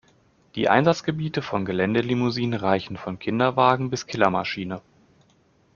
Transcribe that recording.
Die Einsatzgebiete von Geländelimousinen reichen von Kinderwagen bis Killermaschine.